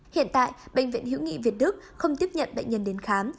hiện tại bệnh viện hữu nghị việt đức không tiếp nhận bệnh nhân đến khám